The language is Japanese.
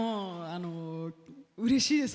うれしいです。